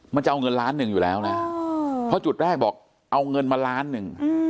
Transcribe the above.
มันจะเอาเงินล้านหนึ่งอยู่แล้วนะเพราะจุดแรกบอกเอาเงินมาล้านหนึ่ง